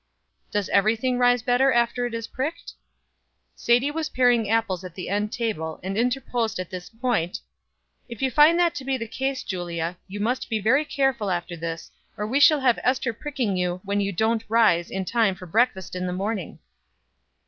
"Does every thing rise better after it is pricked?" Sadie was paring apples at the end table, and interposed at this point "If you find that to be the case, Julia, you must be very careful after this, or we shall have Ester pricking you when you don't 'rise' in time for breakfast in the morning."